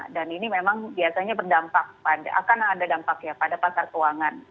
dan ini memang biasanya berdampak akan ada dampak ya pada pasar keuangan